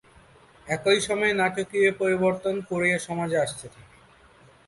একই সময়ে নাটকীয় পরিবর্তন কোরীয় সমাজে আসতে থাকে।